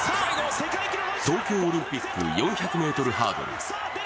東京オリンピック４００ｍハードル。